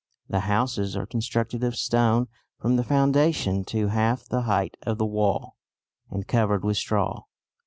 The houses are constructed of stone from the foundation to half the height of the wall and covered with straw.